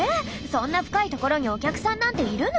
そんな深い所にお客さんなんているの？